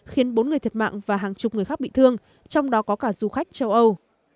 khiến bốn người thiệt mạng và hàng chục người khác bị thương trong đó có cả du khách châu âu